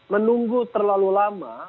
menunggu terlalu lama